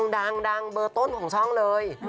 ดังเบอร์ต้นของช่องเลย